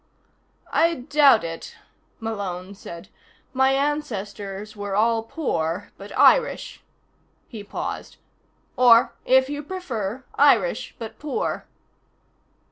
"I doubt it," Malone said. "My ancestors were all poor but Irish." He paused. "Or, if you prefer, Irish, but poor."